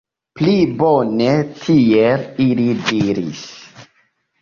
Pli bone tiel, ili diris.